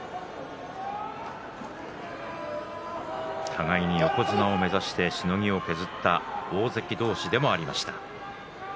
互いに横綱を目指してしのぎを削った大関同士でもありました。